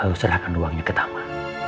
lalu serahkan uangnya ke taman